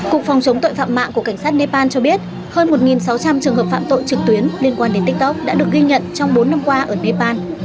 cục phòng chống tội phạm mạng của cảnh sát nepal cho biết hơn một sáu trăm linh trường hợp phạm tội trực tuyến liên quan đến tiktok đã được ghi nhận trong bốn năm qua ở nepal